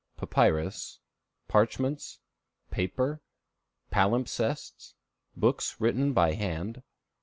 Papyrus. Parchments. Paper. Palimpsests. Books written by Hand.